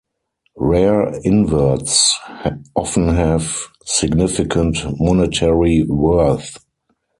Rare inverts often have significant monetary worth.